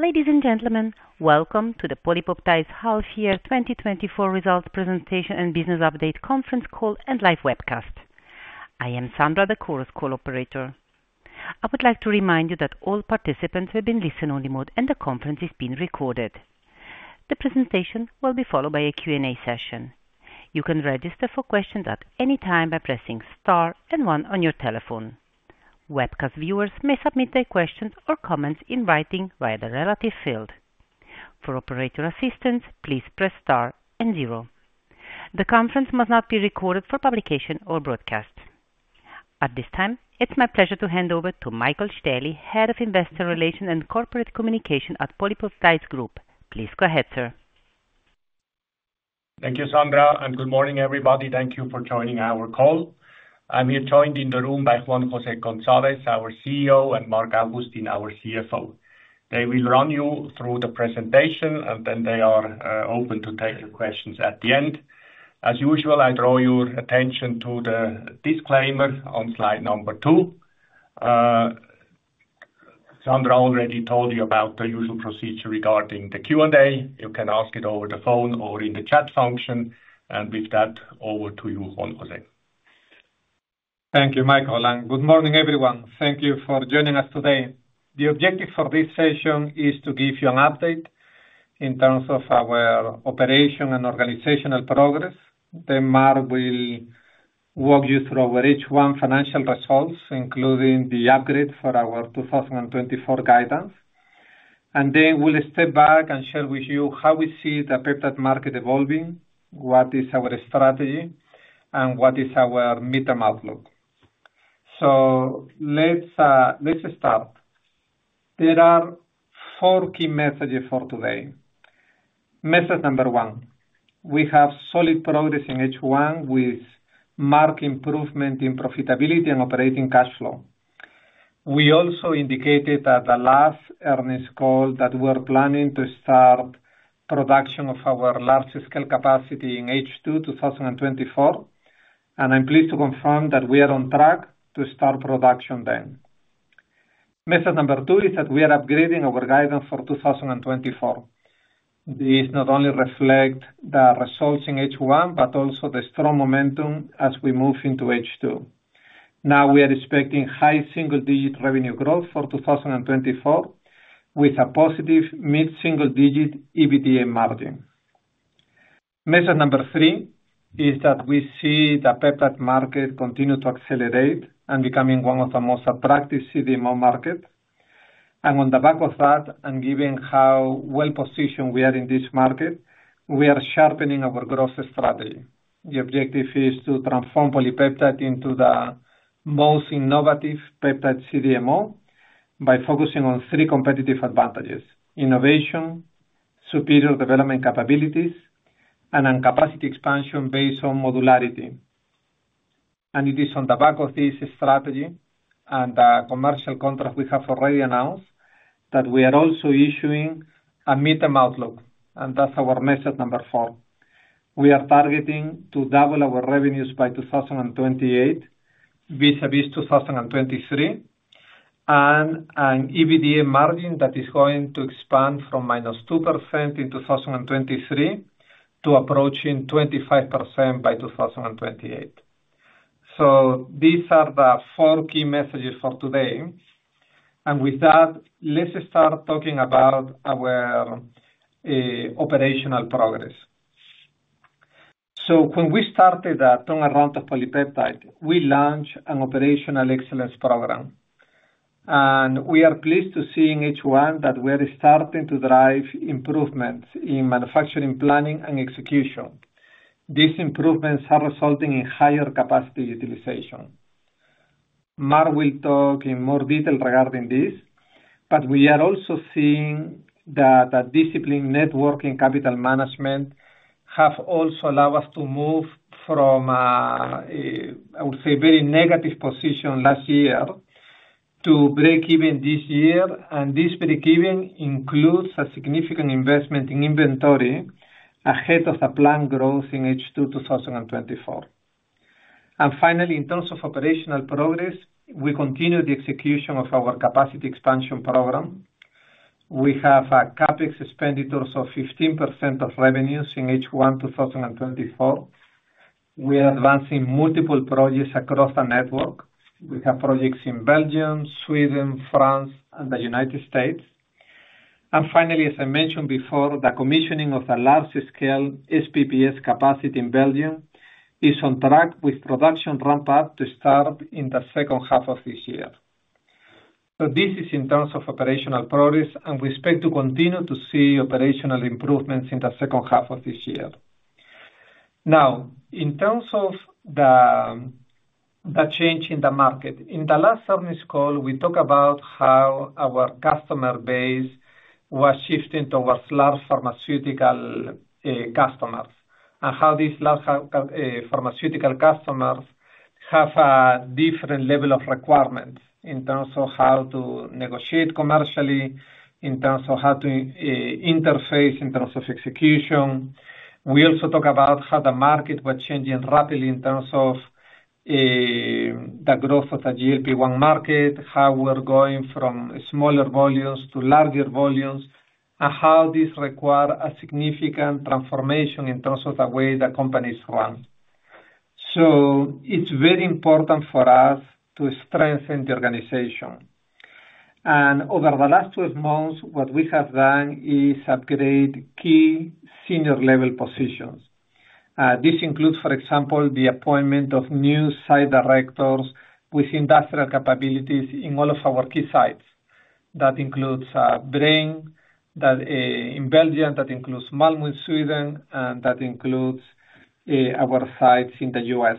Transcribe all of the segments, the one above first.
Ladies and gentlemen, welcome to the PolyPeptide Half-Year 2024 results presentation and business update conference call and live webcast. I am Sandra, the call operator. I would like to remind you that all participants will be in listen-only mode, and the conference is being recorded. The presentation will be followed by a Q&A session. You can register for questions at any time by pressing star and one on your telephone. Webcast viewers may submit their questions or comments in writing via the relative field. For operator assistance, please press star and zero. The conference must not be recorded for publication or broadcast. At this time, it's my pleasure to hand over to Michael Stäheli, Head of Investor Relations and Corporate Communications at PolyPeptide Group. Please go ahead, sir. Thank you, Sandra, and good morning, everybody. Thank you for joining our call. I'm here joined in the room by Juan José González, our CEO, and Marc Augustin, our CFO. They will run you through the presentation, and then they are open to take your questions at the end. As usual, I draw your attention to the disclaimer on slide number two. Sandra already told you about the usual procedure regarding the Q&A. You can ask it over the phone or in the chat function, and with that, over to you, Juan José. Thank you, Michael, and good morning, everyone. Thank you for joining us today. The objective for this session is to give you an update in terms of our operation and organizational progress. Then Marc will walk you through our H1 financial results, including the upgrade for our 2024 guidance. And then we'll step back and share with you how we see the peptide market evolving, what is our strategy, and what is our midterm outlook. So let's, let's start. There are four key messages for today. Message number one: we have solid progress in H1 with marked improvement in profitability and operating cash flow. We also indicated at the last earnings call that we're planning to start production of our large-scale capacity in H2 2024, and I'm pleased to confirm that we are on track to start production then. Message number two is that we are upgrading our guidance for 2024. This not only reflect the results in H1, but also the strong momentum as we move into H2. Now, we are expecting high single-digit revenue growth for 2024, with a positive mid-single digit EBITDA margin. Message number three is that we see the peptide market continue to accelerate and becoming one of the most attractive CDMO market. And on the back of that, and given how well-positioned we are in this market, we are sharpening our growth strategy. The objective is to transform PolyPeptide into the most innovative peptide CDMO by focusing on three competitive advantages: innovation, superior development capabilities, and on capacity expansion based on modularity. It is on the back of this strategy and the commercial contract we have already announced, that we are also issuing a midterm outlook, and that's our message number four. We are targeting to double our revenues by 2028, vis-à-vis 2023, and an EBITDA margin that is going to expand from -2% in 2023 to approaching 25% by 2028. So these are the four key messages for today. And with that, let's start talking about our operational progress. So when we started the turnaround of PolyPeptide, we launched an operational excellence program, and we are pleased to see in H1 that we are starting to drive improvements in manufacturing, planning, and execution. These improvements are resulting in higher capacity utilization. Marc will talk in more detail regarding this, but we are also seeing that a disciplined network and capital management have also allowed us to move from a, I would say, very negative position last year to breakeven this year. And this breakeven includes a significant investment in inventory ahead of the planned growth in H2 2024. And finally, in terms of operational progress, we continue the execution of our capacity expansion program. We have CapEx expenditures of 15% of revenues in H1 2024. We are advancing multiple projects across the network. We have projects in Belgium, Sweden, France, and the United States. And finally, as I mentioned before, the commissioning of the large-scale SPPS capacity in Belgium is on track with production ramp-up to start in the second half of this year. So this is in terms of operational progress, and we expect to continue to see operational improvements in the second half of this year. Now, in terms of the change in the market, in the last earnings call, we talked about how our customer base was shifting towards large pharmaceutical customers, and how these large pharmaceutical customers have a different level of requirement in terms of how to negotiate commercially, in terms of how to interface, in terms of execution. We also talk about how the market was changing rapidly in terms of the growth of the GLP-1 market, how we're going from smaller volumes to larger volumes, and how this require a significant transformation in terms of the way the companies run. So it's very important for us to strengthen the organization. Over the last 12 months, what we have done is upgrade key senior level positions. This includes, for example, the appointment of new site directors with industrial capabilities in all of our key sites. That includes Braine, that in Belgium, that includes Malmö, Sweden, and that includes our sites in the U.S.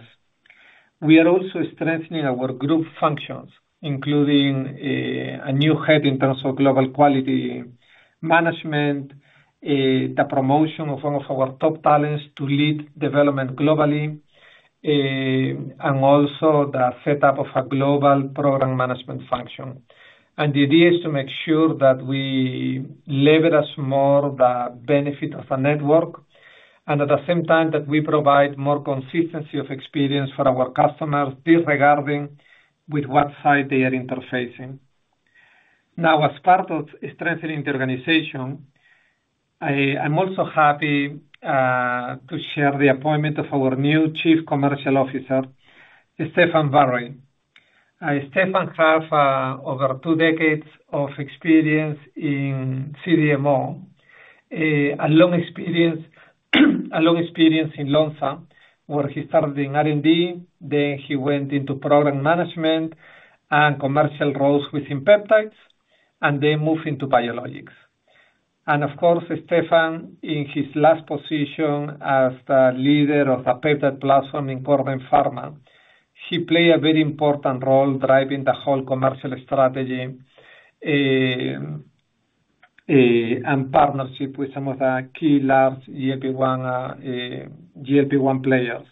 We are also strengthening our group functions, including a new head in terms of global quality management, the promotion of one of our top talents to lead development globally, and also the setup of a global program management function. The idea is to make sure that we leverage us more the benefit of a network, and at the same time, that we provide more consistency of experience for our customers, disregarding with what site they are interfacing. Now, as part of strengthening the organization, I'm also happy to share the appointment of our new Chief Commercial Officer, Stéphane Varray. Stéphane Varray have over two decades of experience in CDMO, a long experience, a long experience in Lonza, where he started in R&D, then he went into program management and commercial roles within peptides, and then moved into biologics. And of course, Stéphane Varray, in his last position as the leader of a peptide platform in CordenPharma, he played a very important role driving the whole commercial strategy and partnership with some of the key large GLP-1 players.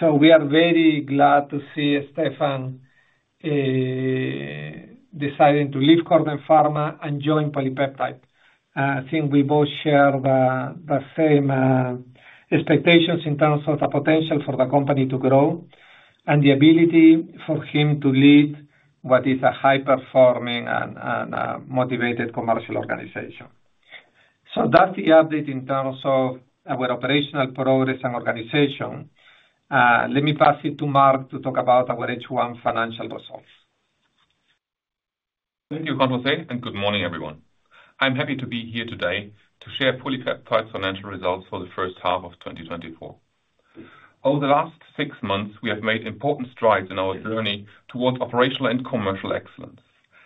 So we are very glad to see Stéphane Varray deciding to leave CordenPharma and join PolyPeptide. I think we both share the same expectations in terms of the potential for the company to grow and the ability for him to lead what is a high-performing and motivated commercial organization. So that's the update in terms of our operational progress and organization. Let me pass it to Marc to talk about our H1 financial results. Thank you, Juan José, and good morning, everyone. I'm happy to be here today to share PolyPeptide's financial results for the first half of 2024. Over the last six months, we have made important strides in our journey towards operational and commercial excellence,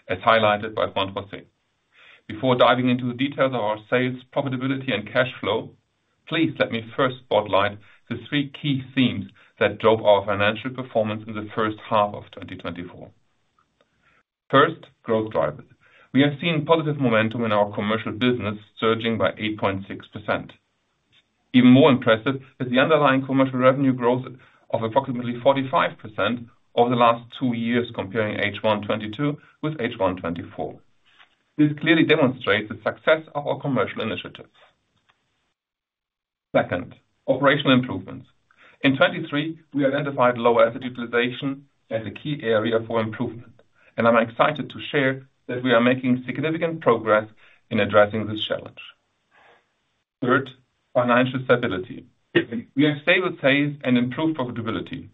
as highlighted by Juan José. Before diving into the details of our sales, profitability, and cash flow, please let me first spotlight the three key themes that drove our financial performance in the first half of 2024. First, growth drivers. We have seen positive momentum in our commercial business, surging by 8.6%. Even more impressive is the underlying commercial revenue growth of approximately 45% over the last two years, comparing H1 2022 with H1 2024. This clearly demonstrates the success of our commercial initiatives. Second, operational improvements. In 2023, we identified low asset utilization as a key area for improvement, and I'm excited to share that we are making significant progress in addressing this challenge. Third, financial stability. We have stable sales and improved profitability,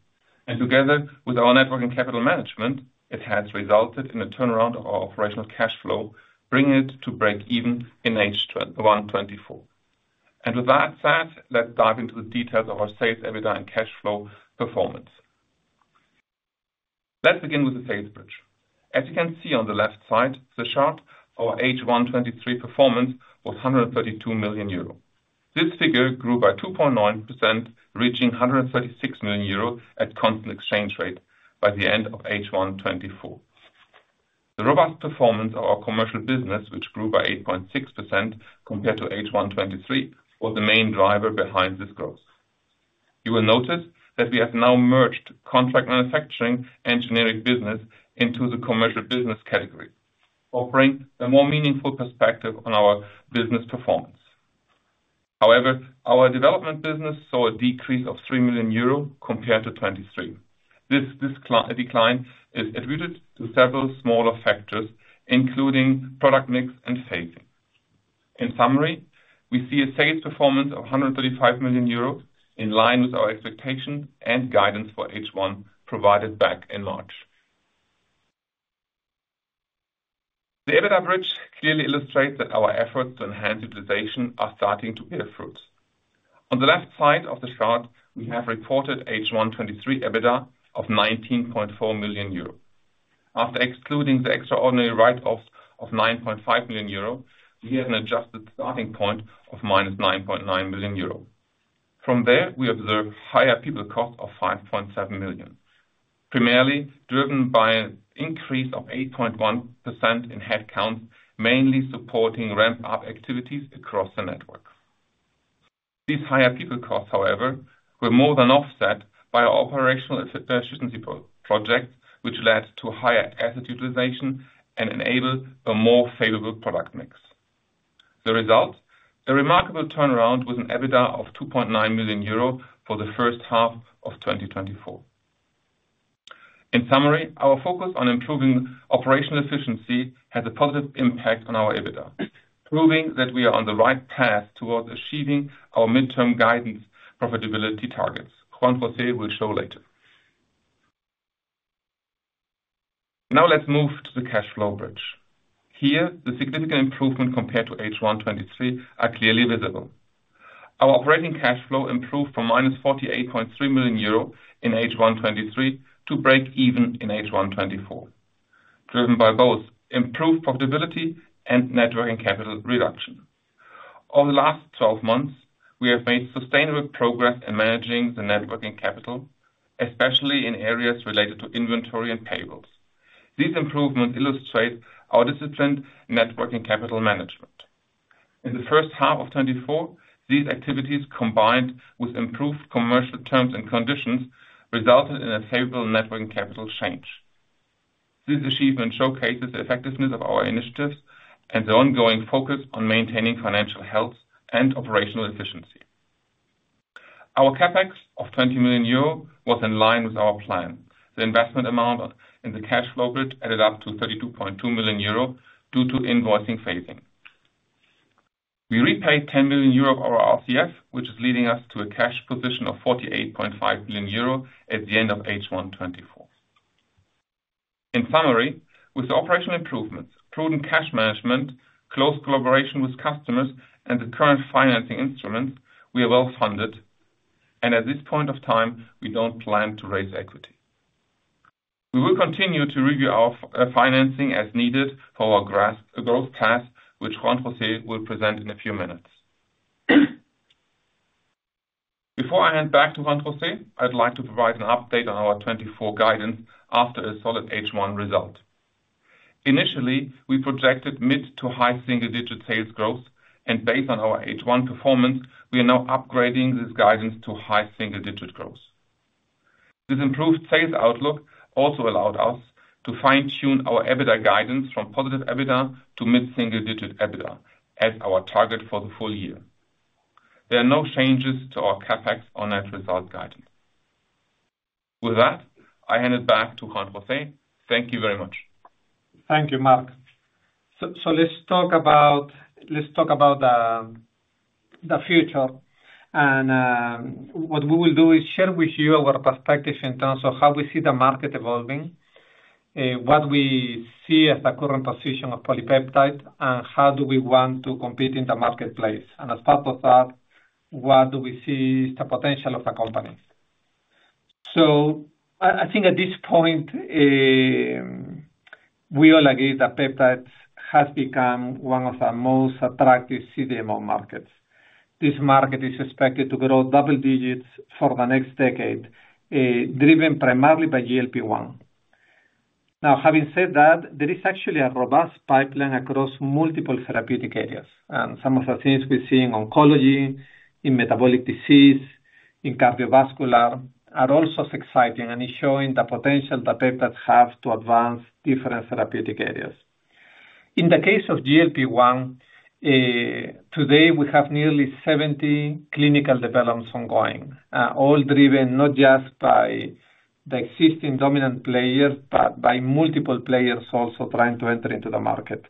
and together with our network and capital management, it has resulted in a turnaround of our operational cash flow, bringing it to breakeven in H1 2024. And with that said, let's dive into the details of our sales, EBITDA, and cash flow performance. Let's begin with the sales bridge. As you can see on the left side, the chart of our H1 2023 performance was 132 million euro. This figure grew by 2.9%, reaching 136 million euro at constant exchange rate by the end of H1 2024. The robust performance of our commercial business, which grew by 8.6% compared to H1 2023, was the main driver behind this growth. You will notice that we have now merged contract manufacturing and generic business into the commercial business category, offering a more meaningful perspective on our business performance. However, our development business saw a decrease of 3 million euro compared to 2023. This decline is attributed to several smaller factors, including product mix and phasing. In summary, we see a sales performance of 135 million euros, in line with our expectations and guidance for H1, provided back in March. The EBITDA bridge clearly illustrates that our efforts to enhance utilization are starting to bear fruits. On the left side of the chart, we have reported H1 2023 EBITDA of 19.4 million euro. After excluding the extraordinary write-off of 9.5 million euro, we have an adjusted starting point of -9.9 million euro. From there, we observed higher people cost of 5.7 million, primarily driven by an increase of 8.1% in headcount, mainly supporting ramp-up activities across the network. These higher people costs, however, were more than offset by our operational efficiency project, which led to higher asset utilization and enabled a more favorable product mix. The result, a remarkable turnaround with an EBITDA of 2.9 million euro for the first half of 2024. In summary, our focus on improving operational efficiency had a positive impact on our EBITDA, proving that we are on the right path towards achieving our midterm guidance profitability targets. Juan José will show later. Now let's move to the cash flow bridge. Here, the significant improvement compared to H1 2023 are clearly visible. Our operating cash flow improved from -48.3 million euro in H1 2023 to breakeven in H1 2024, driven by both improved profitability and net working capital reduction. Over the last 12 months, we have made sustainable progress in managing the net working capital, especially in areas related to inventory and payables. These improvements illustrate our disciplined net working capital management. In the first half of 2024, these activities, combined with improved commercial terms and conditions, resulted in a favorable net working capital change. This achievement showcases the effectiveness of our initiatives and the ongoing focus on maintaining financial health and operational efficiency. Our CapEx of 20 million euro was in line with our plan. The investment amount in the cash flow bridge added up to 32.2 million euro due to invoicing phasing. We repaid 10 million euro of our RCF, which is leading us to a cash position of 48.5 million euro at the end of H1 2024. In summary, with the operational improvements, prudent cash management, close collaboration with customers, and the current financing instruments, we are well funded, and at this point of time, we don't plan to raise equity. We will continue to review our financing as needed for our growth path, which Juan José will present in a few minutes. Before I hand back to Juan José, I'd like to provide an update on our 2024 guidance after a solid H1 result. Initially, we projected mid- to high single-digit sales growth, and based on our H1 performance, we are now upgrading this guidance to high single-digit growth. This improved sales outlook also allowed us to fine-tune our EBITDA guidance from positive EBITDA to mid-single digit EBITDA as our target for the full year. There are no changes to our CapEx or net result guidance. With that, I hand it back to Juan José. Thank you very much. Thank you, Marc. So, let's talk about the future. And, what we will do is share with you our perspective in terms of how we see the market evolving, what we see as the current position of PolyPeptide, and how do we want to compete in the marketplace. And as part of that, where do we see the potential of the company? So I think at this point, we all agree that peptides has become one of the most attractive CDMO markets. This market is expected to grow double digits for the next decade, driven primarily by GLP-1. Now, having said that, there is actually a robust pipeline across multiple therapeutic areas, and some of the things we see in oncology, in metabolic disease, in cardiovascular, are also exciting and is showing the potential that peptides have to advance different therapeutic areas. In the case of GLP-1, today, we have nearly 70 clinical developments ongoing, all driven not just by the existing dominant players, but by multiple players also trying to enter into the market.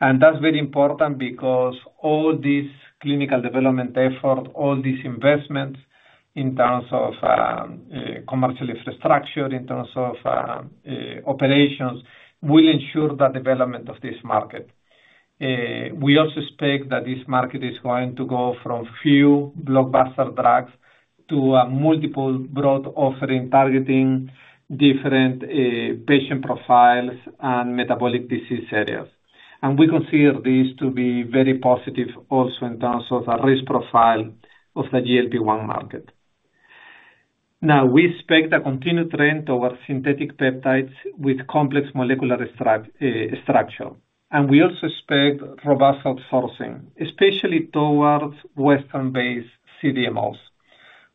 And that's very important because all this clinical development effort, all these investments in terms of, commercial infrastructure, in terms of, operations, will ensure the development of this market. We also expect that this market is going to go from few blockbuster drugs to a multiple broad offering, targeting different, patient profiles and metabolic disease areas. And we consider this to be very positive also in terms of the risk profile of the GLP-1 market. Now, we expect a continued trend towards synthetic peptides with complex molecular structure. And we also expect robust outsourcing, especially towards Western-based CDMOs.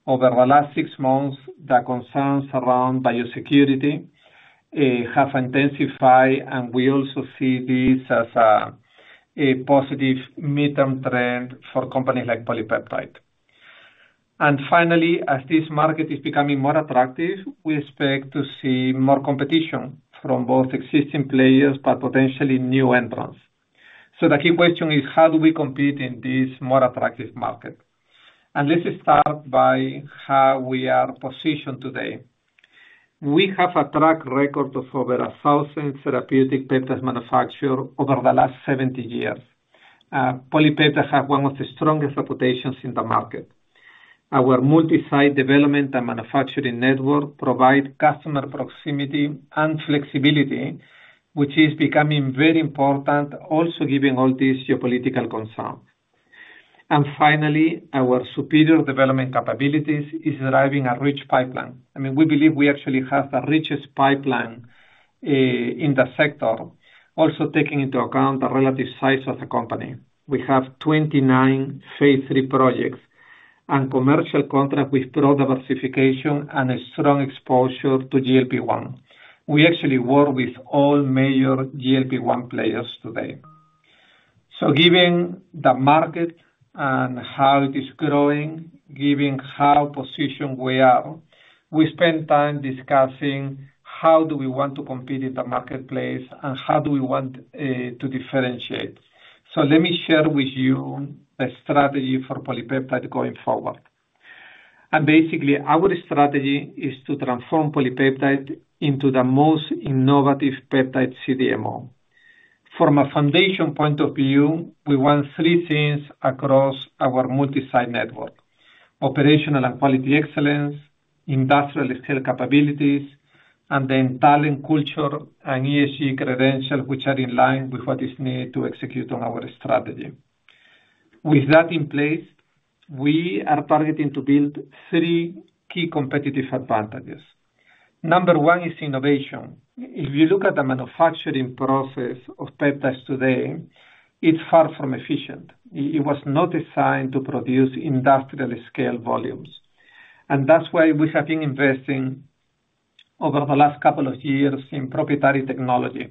Over the last six months, the concerns around biosecurity have intensified, and we also see this as a positive midterm trend for companies like PolyPeptide. And finally, as this market is becoming more attractive, we expect to see more competition from both existing players, but potentially new entrants. So the key question is: how do we compete in this more attractive market? And let's start by how we are positioned today. We have a track record of over 1,000 therapeutic peptides manufactured over the last 70 years. PolyPeptide have one of the strongest reputations in the market. Our multi-site development and manufacturing network provide customer proximity and flexibility, which is becoming very important, also given all these geopolitical concerns. And finally, our superior development capabilities is driving a rich pipeline. I mean, we believe we actually have the richest pipeline, in the sector. Also, taking into account the relative size of the company. We have 29 phase III projects and commercial contract with product diversification and a strong exposure to GLP-1. We actually work with all major GLP-1 players today. So given the market and how it is growing, given how positioned we are, we spend time discussing how do we want to compete in the marketplace and how do we want to differentiate. So let me share with you a strategy for PolyPeptide going forward. And basically, our strategy is to transform PolyPeptide into the most innovative peptide CDMO. From a foundation point of view, we want three things across our multi-site network: operational and quality excellence, industrial scale capabilities, and then talent, culture, and ESG credentials, which are in line with what is needed to execute on our strategy. With that in place, we are targeting to build three key competitive advantages. Number one is innovation. If you look at the manufacturing process of peptides today, it's far from efficient. It was not designed to produce industrial scale volumes, and that's why we have been investing over the last couple of years in proprietary technology.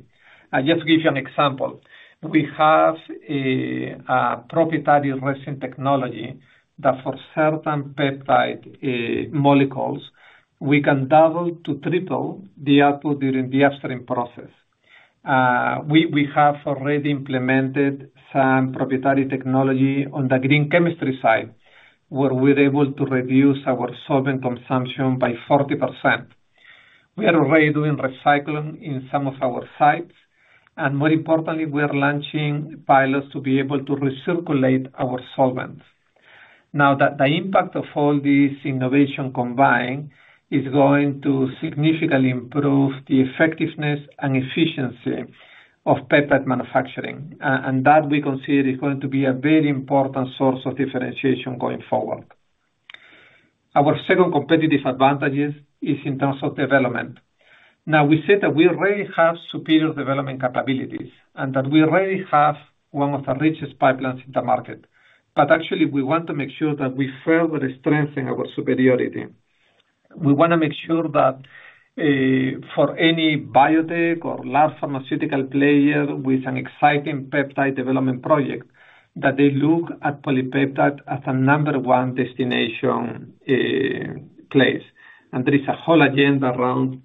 I just give you an example. We have a proprietary resin technology that for certain peptide molecules, we can double to triple the output during the upstream process. We have already implemented some proprietary technology on the green chemistry side, where we're able to reduce our solvent consumption by 40%. We are already doing recycling in some of our sites, and more importantly, we are launching pilots to be able to recirculate our solvents. Now, the impact of all this innovation combined is going to significantly improve the effectiveness and efficiency of peptide manufacturing, and that we consider is going to be a very important source of differentiation going forward. Our second competitive advantage is in terms of development. Now, we said that we already have superior development capabilities and that we already have one of the richest pipelines in the market, but actually, we want to make sure that we further strengthen our superiority. We want to make sure that, for any biotech or large pharmaceutical player with an exciting peptide development project, that they look at PolyPeptide as a number one destination, place. There is a whole agenda around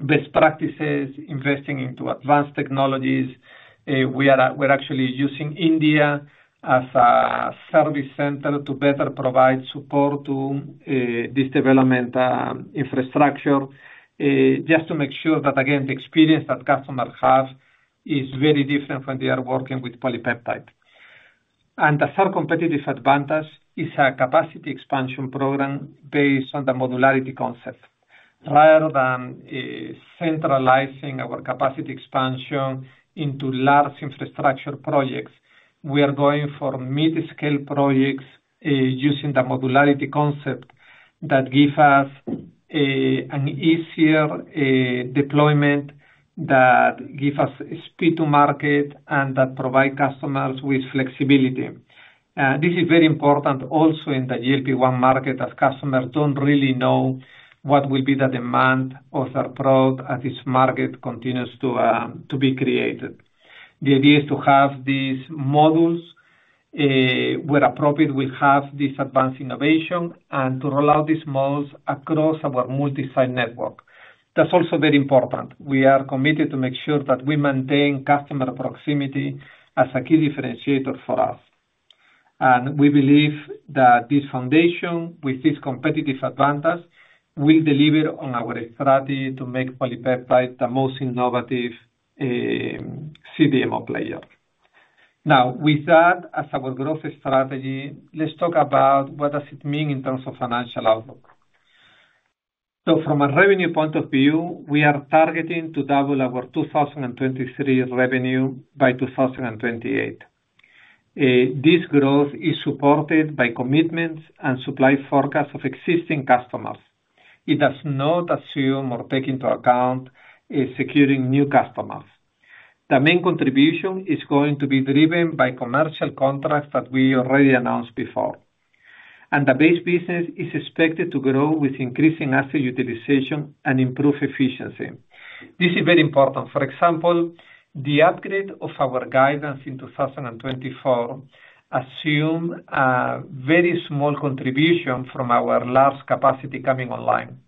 best practices, investing into advanced technologies. We're actually using India as a service center to better provide support to, this development, infrastructure, just to make sure that, again, the experience that customers have is very different when they are working with PolyPeptide. The third competitive advantage is a capacity expansion program based on the modularity concept. Rather than, centralizing our capacity expansion into large infrastructure projects, we are going for mid-scale projects, using the modularity concept that give us, an easier, deployment, that give us speed to market and that provide customers with flexibility. This is very important also in the GLP-1 market, as customers don't really know what will be the demand of their product as this market continues to be created. The idea is to have these modules, where appropriate, we have this advanced innovation and to roll out these modules across our multi-site network. That's also very important. We are committed to make sure that we maintain customer proximity as a key differentiator for us. And we believe that this foundation, with this competitive advantage, will deliver on our strategy to make PolyPeptide the most innovative CDMO player. Now, with that as our growth strategy, let's talk about what does it mean in terms of financial outlook. So from a revenue point of view, we are targeting to double our 2023 revenue by 2028. This growth is supported by commitments and supply forecast of existing customers. It does not assume or take into account securing new customers. The main contribution is going to be driven by commercial contracts that we already announced before, and the base business is expected to grow with increasing asset utilization and improve efficiency. This is very important. For example, the upgrade of our guidance in 2024 assume a very small contribution from our large capacity coming online.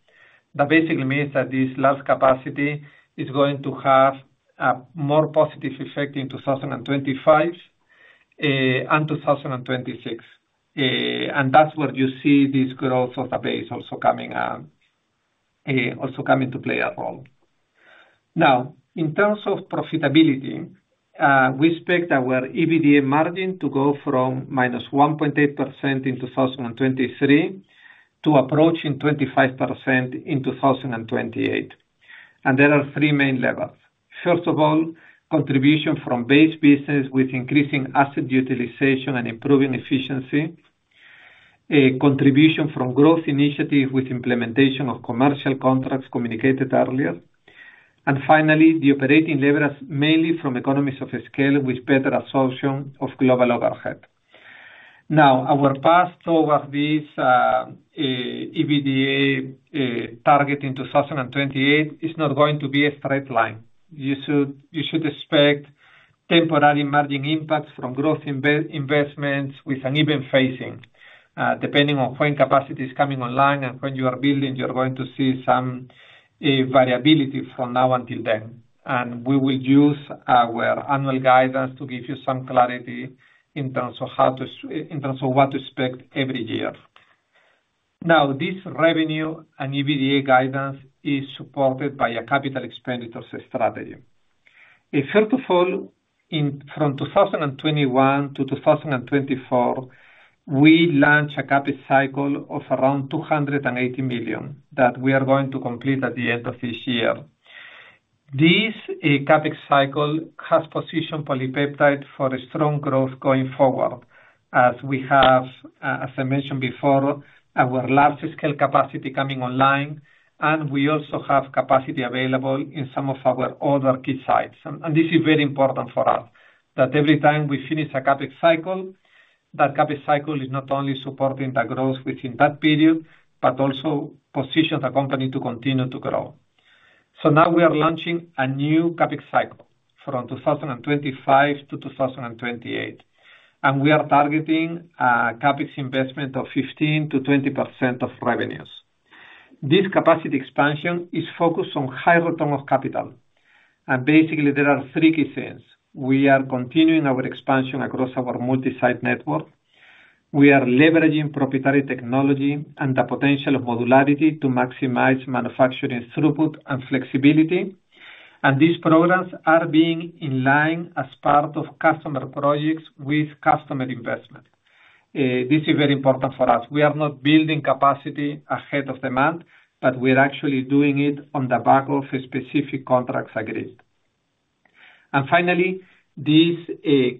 That basically means that this large capacity is going to have a more positive effect in 2025 and 2026. And that's where you see this growth of the base also coming into play at all. Now, in terms of profitability, we expect our EBITDA margin to go from -1.8% in 2023, to approaching 25% in 2028. And there are three main levels. First of all, contribution from base business with increasing asset utilization and improving efficiency. A contribution from growth initiatives with implementation of commercial contracts communicated earlier. And finally, the operating leverage, mainly from economies of scale with better absorption of global overhead. Now, our path towards this EBITDA target in 2028 is not going to be a straight line. You should expect temporary margin impacts from growth investments with an even phasing. Depending on when capacity is coming online and when you are building, you're going to see some variability from now until then. And we will use our annual guidance to give you some clarity in terms of how to in terms of what to expect every year. Now, this revenue and EBITDA guidance is supported by a capital expenditures strategy. In first of all, in from 2021 to 2024, we launched a CapEx cycle of around 280 million that we are going to complete at the end of this year. This, CapEx cycle has positioned PolyPeptide for a strong growth going forward, as we have, as I mentioned before, our large-scale capacity coming online, and we also have capacity available in some of our other key sites. This is very important for us, that every time we finish a CapEx cycle, that CapEx cycle is not only supporting the growth within that period, but also positions the company to continue to grow. So now we are launching a new CapEx cycle from 2025 to 2028, and we are targeting CapEx investment of 15%-20% of revenues. This capacity expansion is focused on high return of capital, and basically there are three key things. We are continuing our expansion across our multi-site network. We are leveraging proprietary technology and the potential of modularity to maximize manufacturing throughput and flexibility, and these programs are being in line as part of customer projects with customer investment. This is very important for us. We are not building capacity ahead of demand, but we're actually doing it on the back of specific contracts agreed. Finally, this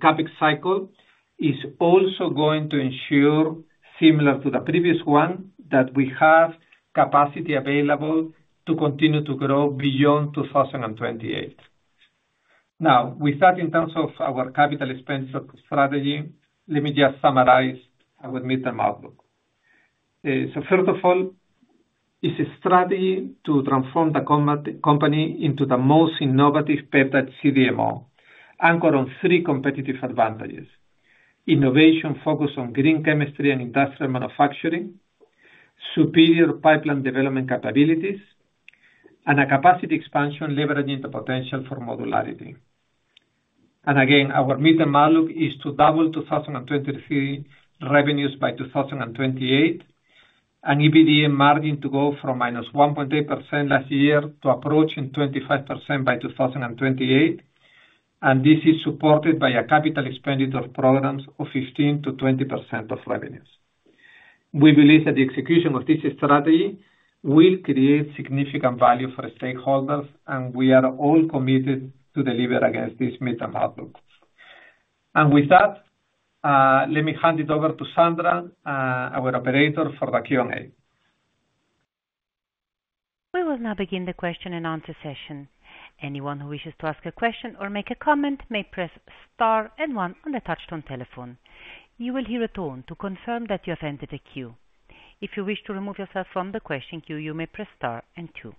CapEx cycle is also going to ensure, similar to the previous one, that we have capacity available to continue to grow beyond 2028. Now, with that, in terms of our capital expense strategy, let me just summarize our midterm outlook. So first of all, it's a strategy to transform the company into the most innovative peptide CDMO, anchored on three competitive advantages: innovation focused on green chemistry and industrial manufacturing, superior pipeline development capabilities, and a capacity expansion leveraging the potential for modularity. And again, our midterm outlook is to double 2023 revenues by 2028, an EBITDA margin to go from -1.8% last year to approaching 25% by 2028, and this is supported by a CapEx programs of 15%-20% of revenues. We believe that the execution of this strategy will create significant value for the stakeholders, and we are all committed to deliver against this midterm outlook. And with that, let me hand it over to Sandra, our operator, for the Q&A. We will now begin the question-and-answer session. Anyone who wishes to ask a question or make a comment may press star and one on the touchtone telephone. You will hear a tone to confirm that you have entered the queue. If you wish to remove yourself from the question queue, you may press star and two.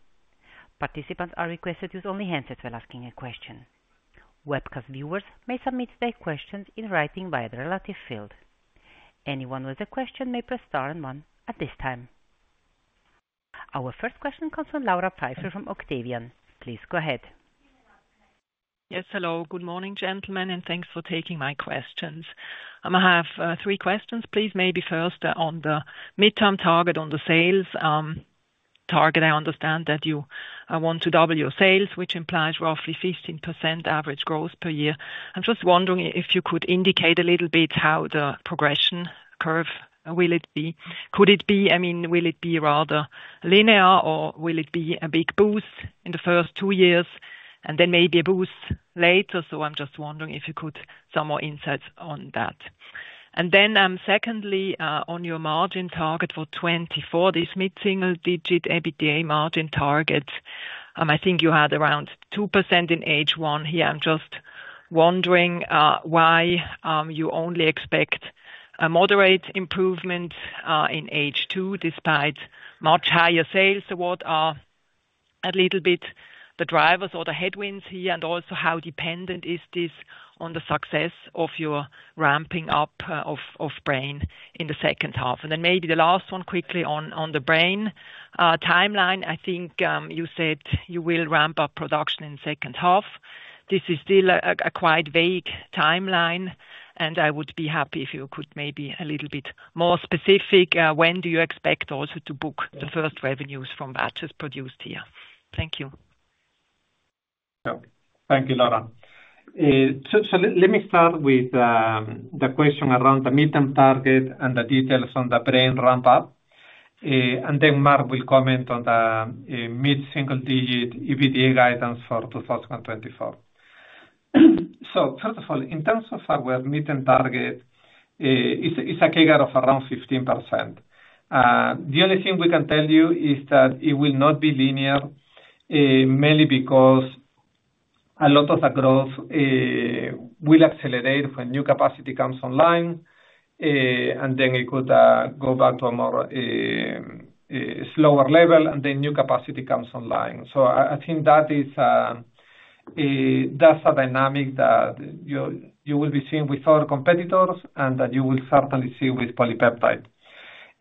Participants are requested to use only handsets while asking a question. Webcast viewers may submit their questions in writing via the relevant field. Anyone with a question may press star and one at this time. Our first question comes from Laura Pfeifer from Octavian. Please go ahead. Yes, hello. Good morning, gentlemen, and thanks for taking my questions. I have three questions, please. Maybe first on the midterm target on the sales target. I understand that you want to double your sales, which implies roughly 15% average growth per year. I'm just wondering if you could indicate a little bit how the progression curve will it be? Could it be, I mean, will it be rather linear, or will it be a big boost in the first two years and then maybe a boost later? So I'm just wondering if you could, some more insights on that. And then, secondly, on your margin target for 2024, this mid-single digit EBITDA margin target, I think you had around 2% in H1 here. I'm just wondering why you only expect a moderate improvement in H2, despite much higher sales? So what are a little bit the drivers or the headwinds here, and also how dependent is this on the success of your ramping up of Braine in the second half? And then maybe the last one, quickly on the Braine timeline. I think you said you will ramp up production in second half. This is still a quite vague timeline, and I would be happy if you could maybe a little bit more specific when do you expect also to book the first revenues from batches produced here? Thank you. Thank you, Laura. So, so let me start with the question around the mid-term target and the details on the Braine ramp up, and then Marc will comment on the mid-single digit EBITDA guidance for 2024. So first of all, in terms of our mid-term target, it's, it's a CAGR of around 15%. The only thing we can tell you is that it will not be linear, mainly because a lot of the growth will accelerate when new capacity comes online, and then it could go back to a more slower level, and then new capacity comes online. So I, I think that is, that's a dynamic that you, you will be seeing with our competitors and that you will certainly see with PolyPeptide.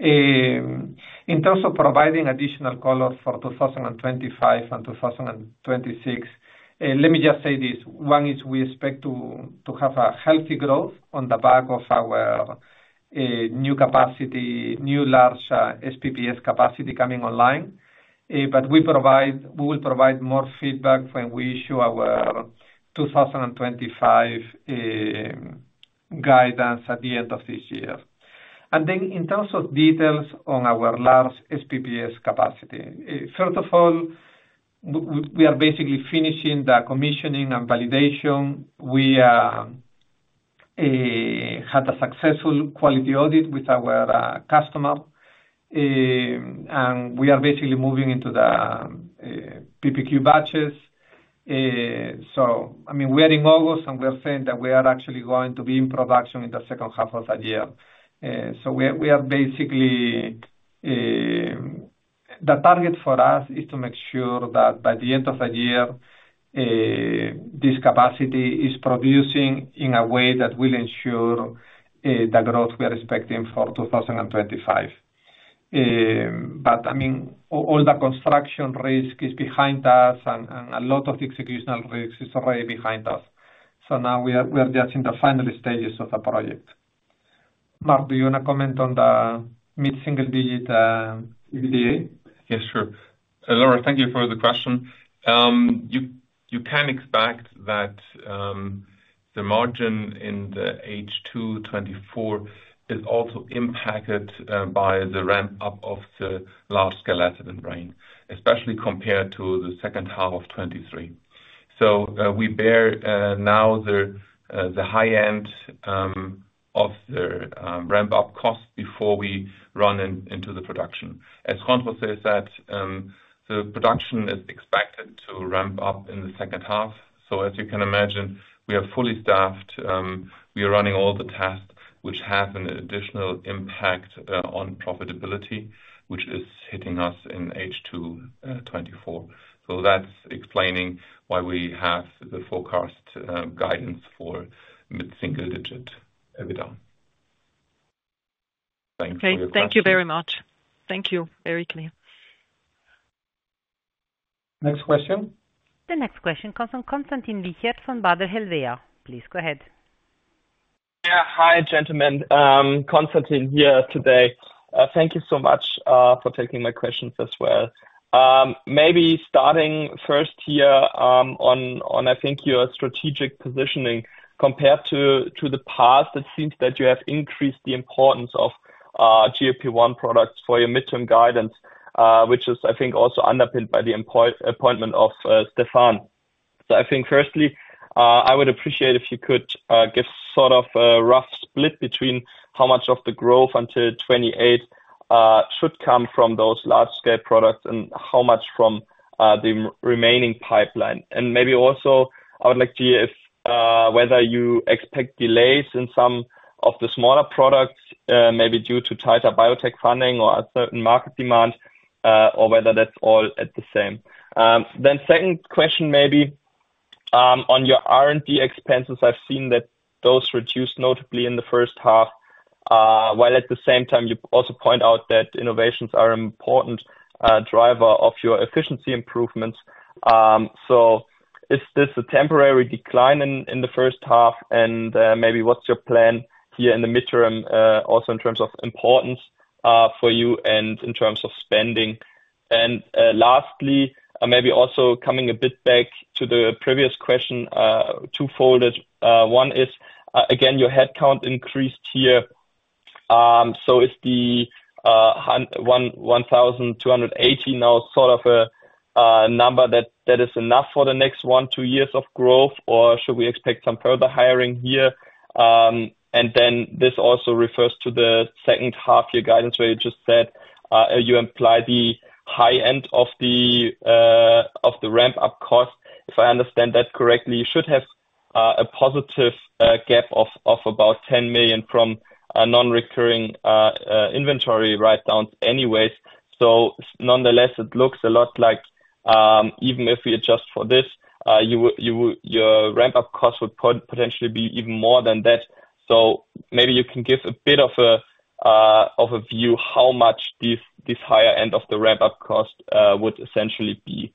In terms of providing additional color for 2025 and 2026, let me just say this. One is we expect to have a healthy growth on the back of our new capacity, new large SPPS capacity coming online. But we will provide more feedback when we issue our 2025 guidance at the end of this year. In terms of details on our large SPPS capacity, first of all, we are basically finishing the commissioning and validation. We had a successful quality audit with our customer, and we are basically moving into the PPQ batches. So I mean, we are in August, and we are saying that we are actually going to be in production in the second half of that year. So we are, we are basically. The target for us is to make sure that by the end of the year, this capacity is producing in a way that will ensure the growth we are expecting for 2025. But I mean, all, all the construction risk is behind us, and, and a lot of the executional risks is already behind us. So now we are, we are just in the final stages of the project. Marc, do you want to comment on the mid-single digit EBITDA? Yes, sure. Laura, thank you for the question. You can expect that, the margin in the H2 2024 is also impacted, by the ramp-up of the large-scale SPPS unit, right? Especially compared to the second half of 2023. So, we bear now the high end of the ramp-up cost before we run into the production. As Juan José says that, the production is expected to ramp up in the second half. So as you can imagine, we are fully staffed, we are running all the tests which have an additional impact on profitability, which is hitting us in H2 2024. So that's explaining why we have the forecast guidance for mid-single digit EBITDA. Thanks for the question. Okay, thank you very much. Thank you. Very clear. Next question? The next question comes from Konstantin Wiechert from Baader Helvea. Please go ahead. Yeah. Hi, gentlemen. Konstantin here today. Thank you so much for taking my questions as well. Maybe starting first here, on, on, I think your strategic positioning. Compared to, to the past, it seems that you have increased the importance of GLP-1 products for your midterm guidance, which is, I think, also underpinned by the appointment of Stéphane. So I think firstly, I would appreciate if you could give sort of a rough split between how much of the growth until 2028 should come from those large-scale products and how much from the remaining pipeline. And maybe also, I would like to hear if whether you expect delays in some of the smaller products, maybe due to tighter biotech funding or a certain market demand, or whether that's all at the same. Then second question maybe, on your R&D expenses, I've seen that those reduced notably in the first half, while at the same time you also point out that innovations are an important driver of your efficiency improvements. So is this a temporary decline in the first half? And, maybe what's your plan here in the midterm, also in terms of importance, for you and in terms of spending? And, lastly, maybe also coming a bit back to the previous question, twofold. One is, again, your headcount increased here. So is the 1,280 now sort of a number that is enough for the next one to two years of growth, or should we expect some further hiring here? And then this also refers to the second half-year guidance, where you just said, you imply the high end of the, of the ramp-up cost. If I understand that correctly, you should have, a positive, gap of, of about 10 million from a non-recurring, inventory write-down anyways. So nonetheless, it looks a lot like, even if we adjust for this, you would your ramp-up cost would potentially be even more than that. So maybe you can give a bit of a, of a view, how much this, this higher end of the ramp-up cost, would essentially be,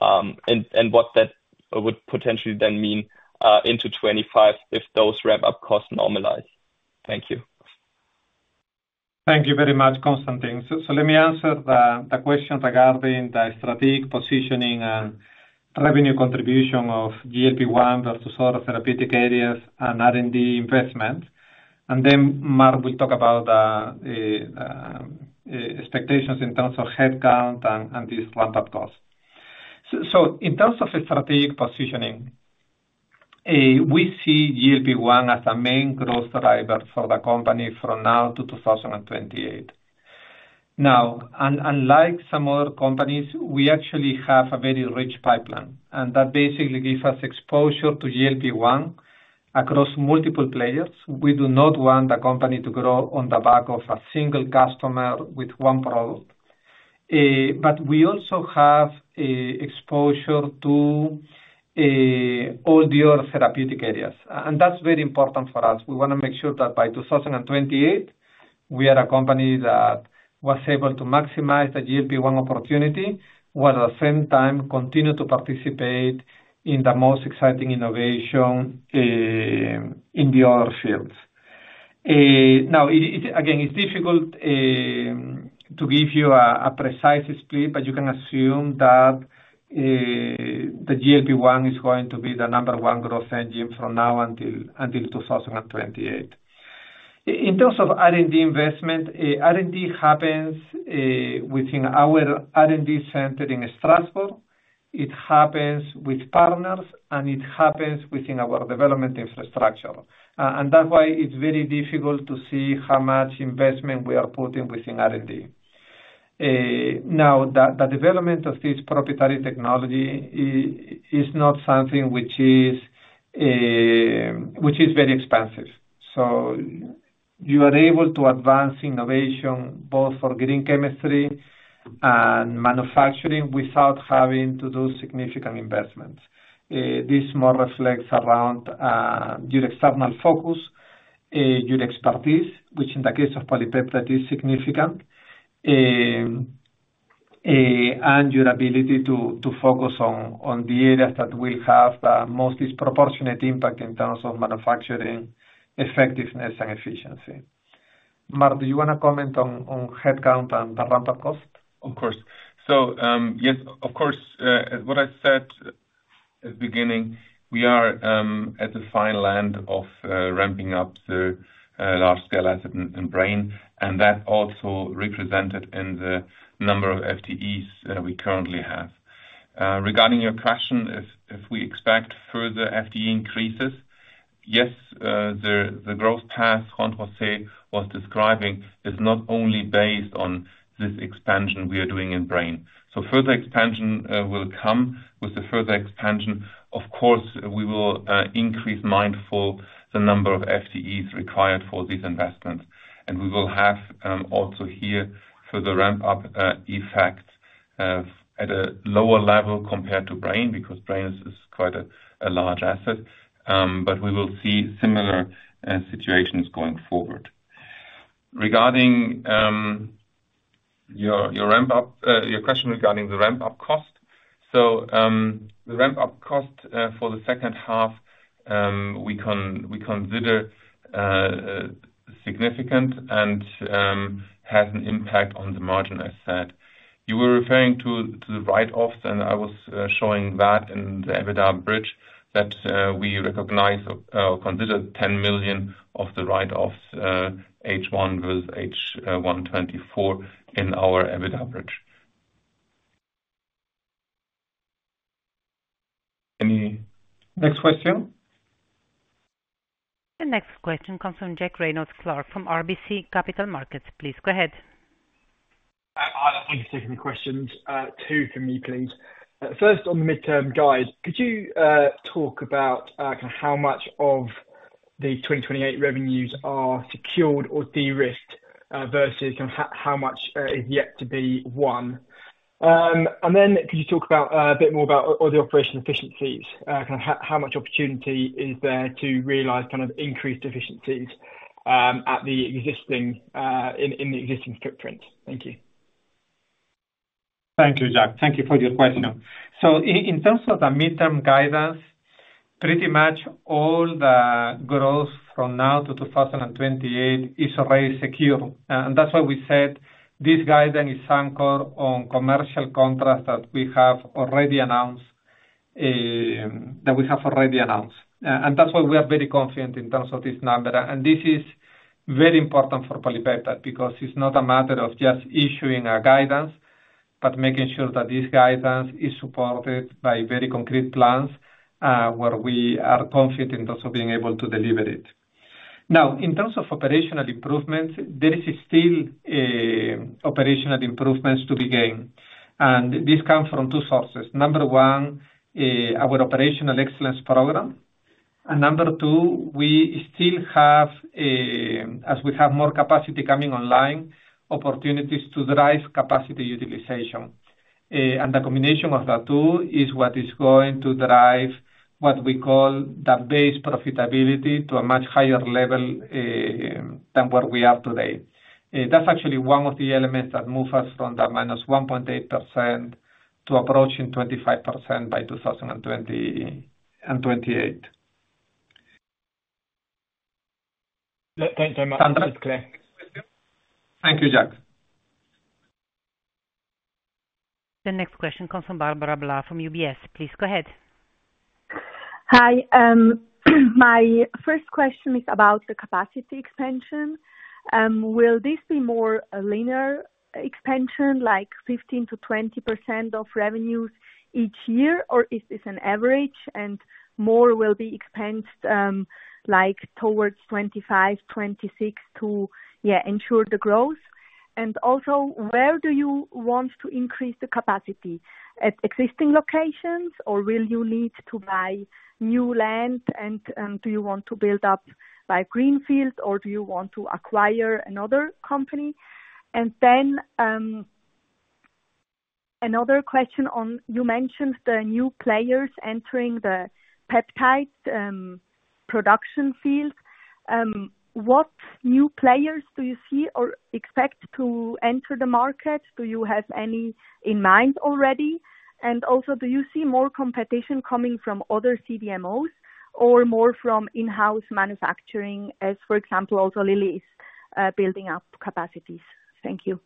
and, and what that would potentially then mean, into 2025 if those ramp-up costs normalize? Thank you. Thank you very much, Konstantin. So let me answer the question regarding the strategic positioning and revenue contribution of GLP-1, the sort of therapeutic areas and R&D investment. And then Marc will talk about expectations in terms of headcount and these ramp-up costs. So in terms of the strategic positioning, we see GLP-1 as a main growth driver for the company from now to 2028. Now, unlike some other companies, we actually have a very rich pipeline, and that basically gives us exposure to GLP-1 across multiple players. We do not want the company to grow on the back of a single customer with one product. But we also have exposure to all the other therapeutic areas, and that's very important for us. We wanna make sure that by 2028, we are a company that was able to maximize the GLP-1 opportunity, while at the same time continue to participate in the most exciting innovation in the other fields. Now, it again, it's difficult to give you a precise split, but you can assume that the GLP-1 is going to be the number one growth engine from now until 2028. In terms of R&D investment, R&D happens within our R&D center in Strasbourg. It happens with partners, and it happens within our development infrastructure. And that's why it's very difficult to see how much investment we are putting within R&D. Now, the development of this proprietary technology is not something which is very expensive. So you are able to advance innovation both for Green Chemistry and manufacturing without having to do significant investments. This more reflects around your external focus, your expertise, which in the case of PolyPeptide that is significant. And your ability to focus on the areas that will have the most disproportionate impact in terms of manufacturing, effectiveness and efficiency. Marc, do you wanna comment on headcount and the ramp-up cost? Of course. So, yes, of course, what I said at the beginning, we are at the final end of ramping up the large-scale asset in Braine, and that also represented in the number of FTEs we currently have. Regarding your question, if we expect further FTE increases, yes, the growth path Juan José was describing is not only based on this expansion we are doing in Braine. So further expansion will come. With the further expansion, of course, we will have in mind the number of FTEs required for this investment. And we will have also here further ramp-up effects at a lower level compared to Braine, because Braine is quite a large asset. But we will see similar situations going forward. Regarding your ramp-up, your question regarding the ramp-up cost. So, the ramp-up cost for the second half, we consider significant and has an impact on the margin, I said. You were referring to the write-offs, and I was showing that in the EBITDA bridge, that we recognize or consider 10 million of the write-offs, H1 with H1 2024 in our EBITDA bridge. Any? Next question? The next question comes from Jack Reynolds-Clark from RBC Capital Markets. Please go ahead. Hi. Thank you for taking the questions. Two from me, please. First on the midterm guide, could you talk about kind of how much of the 2028 revenues are secured or de-risked versus kind of how much is yet to be won? And then could you talk about a bit more about all the operational efficiencies kind of how much opportunity is there to realize kind of increased efficiencies at the existing footprint? Thank you. Thank you, Jack. Thank you for your question. So in terms of the midterm guidance, pretty much all the growth from now to 2028 is already secure. And that's why we said this guidance is anchored on commercial contracts that we have already announced, that we have already announced. And that's why we are very confident in terms of this number. And this is very important for PolyPeptide, because it's not a matter of just issuing a guidance, but making sure that this guidance is supported by very concrete plans, where we are confident in also being able to deliver it. Now, in terms of operational improvements, there is still operational improvements to be gained, and this comes from two sources. Number one, our operational excellence program. And number two, we still have, as we have more capacity coming online, opportunities to drive capacity utilization. And the combination of the two is what is going to drive what we call the base profitability to a much higher level, than what we have today. That's actually one of the elements that move us from the -1.8% to approaching 25% by 2020 and 2028. Thank you very much. Thank you, Jack. The next question comes Barbora Blaha from UBS. Please go ahead. Hi, my first question is about the capacity expansion. Will this be more a linear expansion, like 15%-20% of revenues each year, or is this an average and more will be expensed, like towards 2025-2026 to ensure the growth? And also, where do you want to increase the capacity? At existing locations or will you need to buy new land, and do you want to build up, like, greenfields, or do you want to acquire another company? And then, another question on, you mentioned the new players entering the peptide production field. What new players do you see or expect to enter the market? Do you have any in mind already? And also, do you see more competition coming from other CDMOs or more from in-house manufacturing, as, for example, also Lilly is building up capacities? Thank you.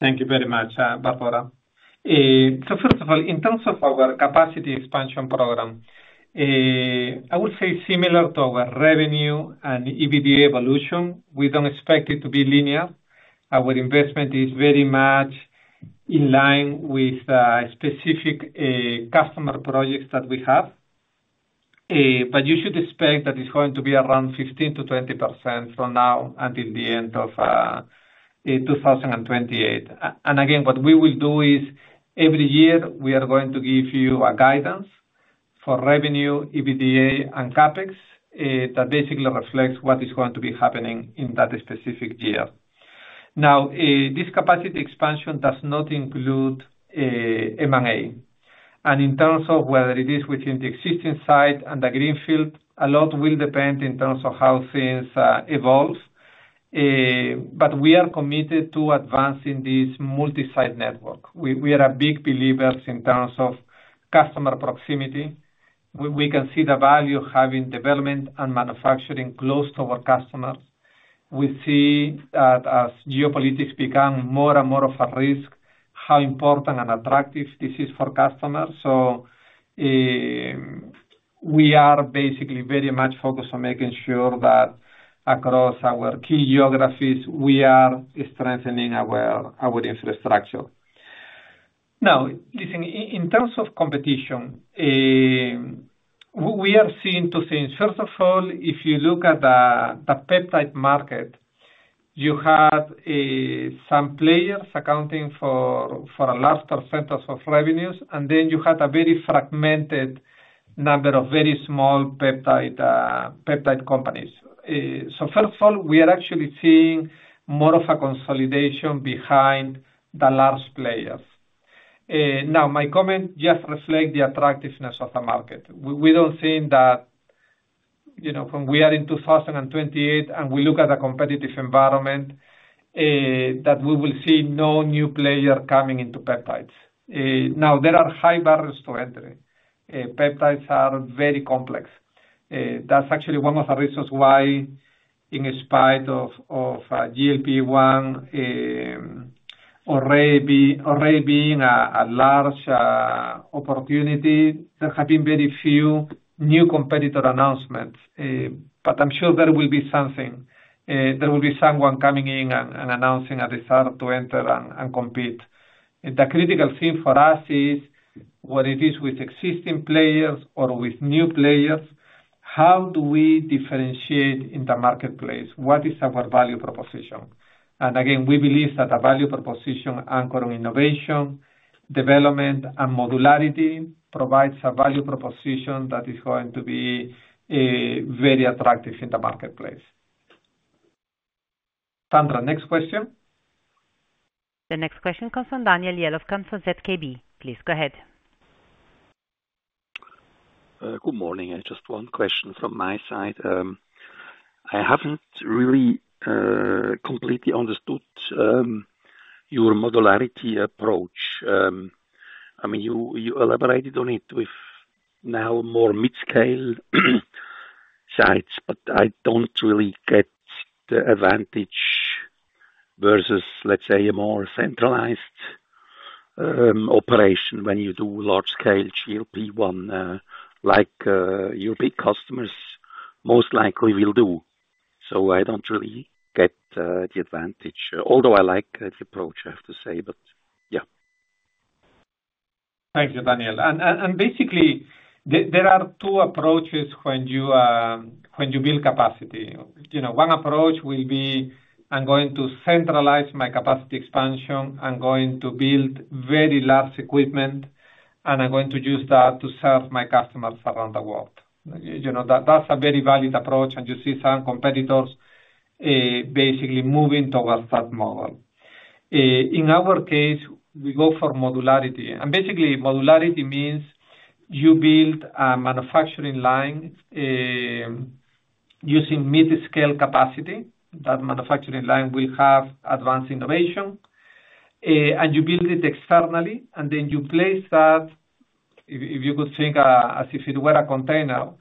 Thank you very much, Barbora. So first of all, in terms of our capacity expansion program, I would say similar to our revenue and EBITDA evolution, we don't expect it to be linear. Our investment is very much in line with specific customer projects that we have. But you should expect that it's going to be around 15%-20% from now until the end of 2028. And again, what we will do is, every year we are going to give you a guidance for revenue, EBITDA, and CapEx that basically reflects what is going to be happening in that specific year. Now, this capacity expansion does not include M&A. And in terms of whether it is within the existing site and the greenfield, a lot will depend in terms of how things evolves. But we are committed to advancing this multi-site network. We are big believers in terms of customer proximity. We can see the value of having development and manufacturing close to our customers. We see that as geopolitics become more and more of a risk, how important and attractive this is for customers. So, we are basically very much focused on making sure that across our key geographies, we are strengthening our infrastructure. Now, listen, in terms of competition, we are seeing two things. First of all, if you look at the peptide market, you have some players accounting for a large percentage of revenues, and then you have a very fragmented number of very small peptide companies. So first of all, we are actually seeing more of a consolidation behind the large players. Now, my comment just reflect the attractiveness of the market. We don't think that, you know, when we are in 2028 and we look at the competitive environment, that we will see no new player coming into peptides. Now, there are high barriers to entry. Peptides are very complex. That's actually one of the reasons why in spite of GLP-1 already being a large opportunity, there have been very few new competitor announcements. But I'm sure there will be something, there will be someone coming in and announcing a desire to enter and compete. The critical thing for us is what it is with existing players or with new players, how do we differentiate in the marketplace? What is our value proposition? And again, we believe that a value proposition anchored on innovation, development, and modularity provides a value proposition that is going to be very attractive in the marketplace. Sandra, next question? The next question comes from Daniel Jelovčan from ZKB. Please go ahead. Good morning. Just one question from my side. I haven't really completely understood your modularity approach. I mean, you you elaborated on it with now more mid-scale sites, but I don't really get the advantage versus, let's say, a more centralized operation when you do large-scale GLP-1 like your big customers most likely will do. So I don't really get the advantage, although I like the approach, I have to say, but yeah. Thank you, Daniel. And basically, there are two approaches when you build capacity. You know, one approach will be, I'm going to centralize my capacity expansion, I'm going to build very large equipment, and I'm going to use that to serve my customers around the world. You know, that's a very valid approach, and you see some competitors basically moving towards that model. In our case, we go for modularity, and basically modularity means you build a manufacturing line using mid-scale capacity. That manufacturing line will have advanced innovation, and you build it externally, and then you place that, if you could think as if it were a container,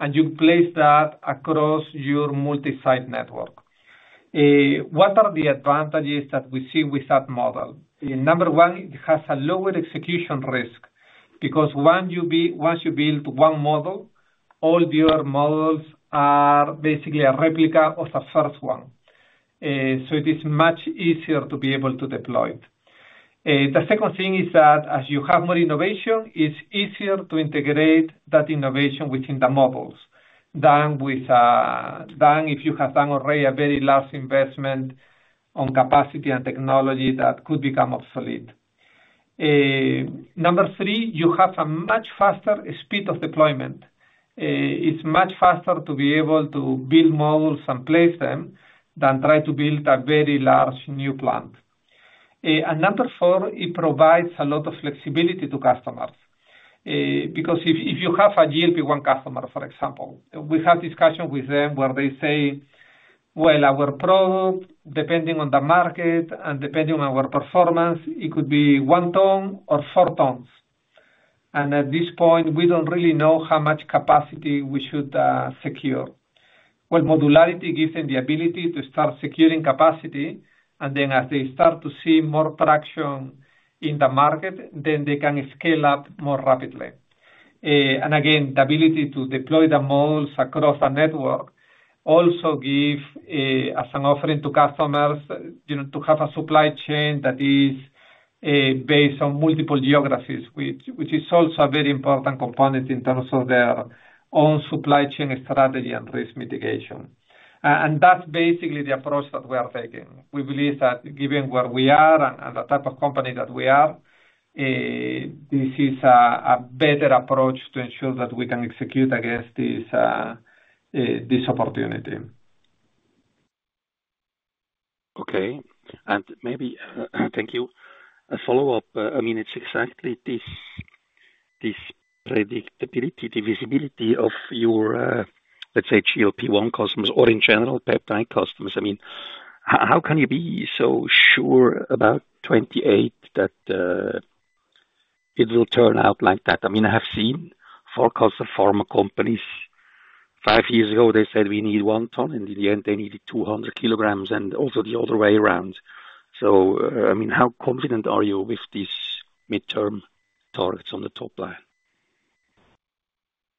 and you place that across your multi-site network. What are the advantages that we see with that model? Number one, it has a lower execution risk, because once you build one model, all the other models are basically a replica of the first one. So it is much easier to be able to deploy it. The second thing is that as you have more innovation, it's easier to integrate that innovation within the models, than with, than if you have done already a very large investment on capacity and technology that could become obsolete. Number three, you have a much faster speed of deployment. It's much faster to be able to build models and place them, than try to build a very large new plant. And number four, it provides a lot of flexibility to customers. Because if you have a GLP-1 customer, for example, we have discussion with them where they say, "Well, our product, depending on the market and depending on our performance, it could be 1 ton or 4 tons. And at this point, we don't really know how much capacity we should secure." Well, modularity gives them the ability to start securing capacity, and then as they start to see more traction in the market, then they can scale up more rapidly. And again, the ability to deploy the modules across a network also gives as an offering to customers, you know, to have a supply chain that is based on multiple geographies, which is also a very important component in terms of their own supply chain strategy and risk mitigation. And that's basically the approach that we are taking. We believe that given where we are and the type of company that we are, this is a better approach to ensure that we can execute against this opportunity. Okay. And maybe, thank you. A follow-up, I mean, it's exactly this, this predictability, the visibility of your, let's say, GLP-1 customers, or in general, peptide customers. I mean, how can you be so sure about 2028 that, it will turn out like that? I mean, I have seen forecasts of pharma companies. Five years ago, they said we need 1 ton, and in the end, they needed 200 kg, and also the other way around. So, I mean, how confident are you with these midterm targets on the top line?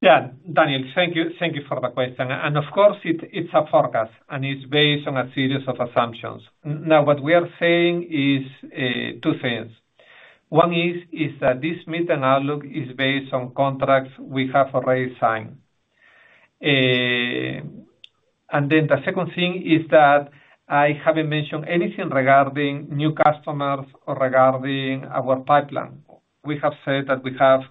Yeah, Daniel, thank you. Thank you for the question. And of course, it's a forecast, and it's based on a series of assumptions. Now, what we are saying is two things. One is that this mid-term outlook is based on contracts we have already signed. And then the second thing is that I haven't mentioned anything regarding new customers or regarding our pipeline. We have said that we have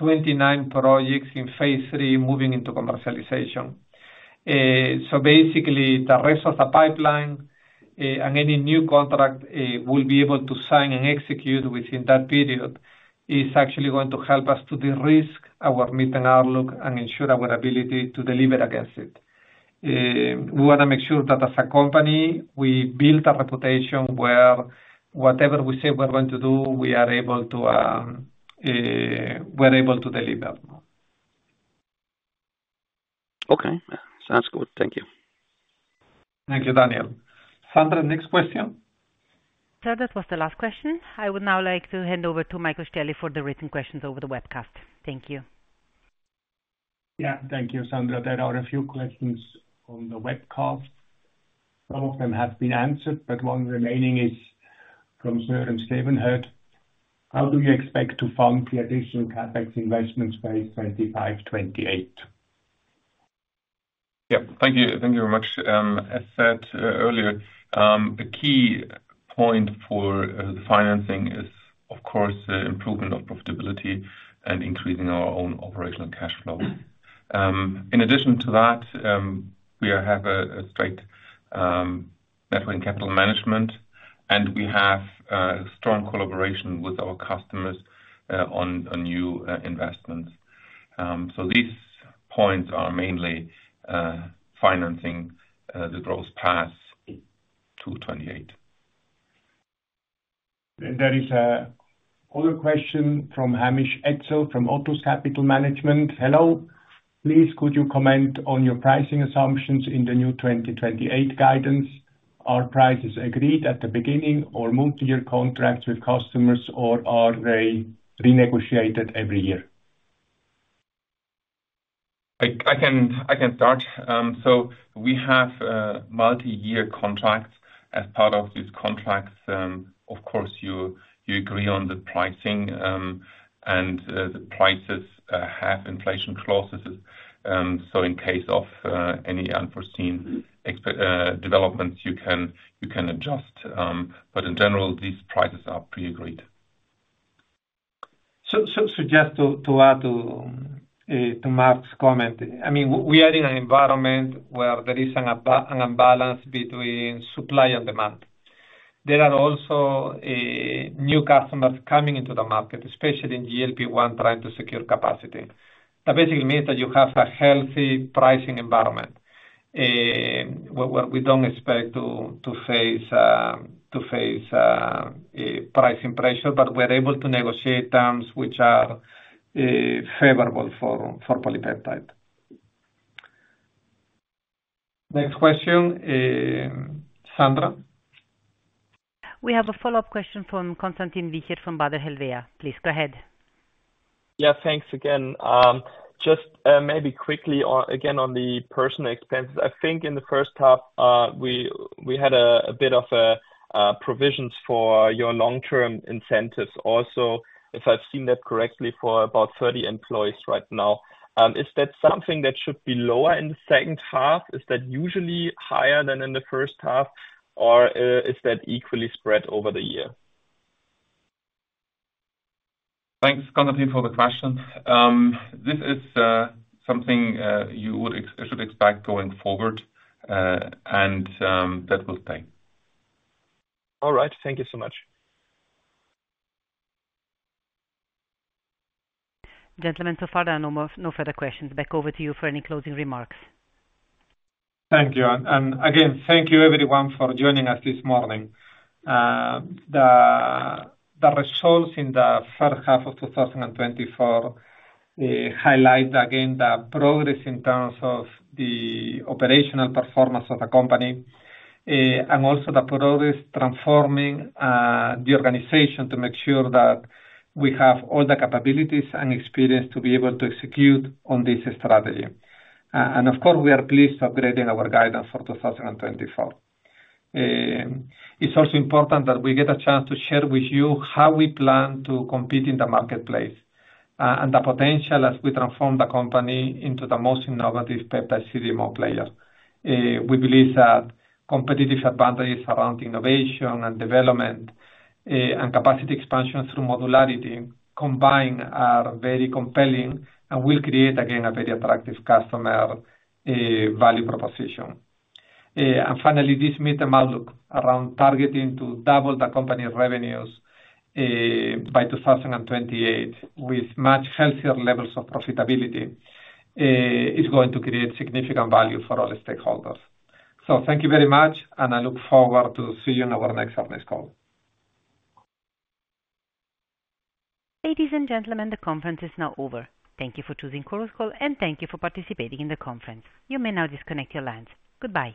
29 projects in phase III moving into commercialization. So basically, the rest of the pipeline and any new contract we'll be able to sign and execute within that period is actually going to help us to de-risk our mid-term outlook and ensure our ability to deliver against it. We wanna make sure that as a company, we build a reputation where whatever we say we're going to do, we are able to, we're able to deliver. Okay, sounds good. Thank you. Thank you, Daniel. Sandra, next question? Sir, that was the last question. I would now like to hand over to Michael Stäheli for the written questions over the webcast. Thank you. Yeah. Thank you, Sandra. There are a few questions on the webcast. Some of them have been answered, but one remaining is from [Sir Steven Hood]. How do you expect to fund the additional CapEx investments by 2025, 2028? Yeah. Thank you. Thank you very much. As said earlier, the key point for the financing is, of course, the improvement of profitability and increasing our own operational cash flow. In addition to that, we have a strict net working capital management, and we have strong collaboration with our customers on new investments. So these points are mainly financing the growth path to 2028. There is another question from Hamish Edsell, from Otus Capital Management. Hello, please, could you comment on your pricing assumptions in the new 2028 guidance? Are prices agreed at the beginning or multi-year contracts with customers, or are they renegotiated every year? I can start. So we have multi-year contracts. As part of these contracts, of course, you agree on the pricing, and the prices have inflation clauses. So in case of any unforeseen developments, you can adjust, but in general, these prices are pre-agreed. Just to add to Marc's comment, I mean, we are in an environment where there is an imbalance between supply and demand. There are also new customers coming into the market, especially in GLP-1, trying to secure capacity. That basically means that you have a healthy pricing environment. We don't expect to face pricing pressure, but we're able to negotiate terms which are favorable for PolyPeptide. Next question, Sandra? We have a follow-up question from Konstantin Wiechert from Baader Helvea. Please go ahead. Yeah, thanks again. Just, maybe quickly on, again, on the personnel expenses. I think in the first half, we had a bit of provisions for your long-term incentives also, if I've seen that correctly, for about 30 employees right now. Is that something that should be lower in the second half? Is that usually higher than in the first half, or, is that equally spread over the year? Thanks, Konstantin, for the question. This is something you should expect going forward, and that will stay. All right. Thank you so much. Gentlemen, so far, there are no more, no further questions. Back over to you for any closing remarks. Thank you. And again, thank you everyone for joining us this morning. The results in the first half of 2024 highlight again the progress in terms of the operational performance of the company, and also the progress transforming the organization to make sure that we have all the capabilities and experience to be able to execute on this strategy. And of course, we are pleased to upgrading our guidance for 2024. It's also important that we get a chance to share with you how we plan to compete in the marketplace, and the potential as we transform the company into the most innovative premier CDMO player. We believe that competitive advantages around innovation and development, and capacity expansion through modularity combined are very compelling and will create, again, a very attractive customer value proposition. Finally, this mid-term outlook around targeting to double the company's revenues by 2028, with much healthier levels of profitability, is going to create significant value for all the stakeholders. Thank you very much, and I look forward to seeing you on our next earnings call. Ladies and gentlemen, the conference is now over. Thank you for choosing Chorus Call, and thank you for participating in the conference. You may now disconnect your lines. Goodbye.